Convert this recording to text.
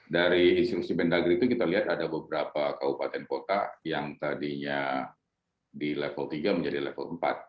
dari instruksi mendagri itu kita lihat ada beberapa kabupaten kota yang tadinya di level tiga menjadi level empat